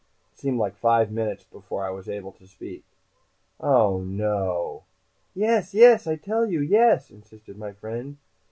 It seemed like five minutes before I was able to speak. "Oh, no!" "Yes, yes, I tell you. Yes!" insisted my friend.